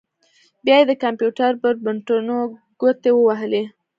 بيا يې د کمپيوټر پر بټنو ګوتې ووهلې.